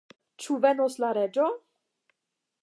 Ĉu venos la reĝo?